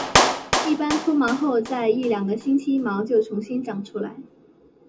一般脱毛后在一到两个星期毛就回重新长出来。